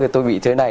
thì tôi bị thế này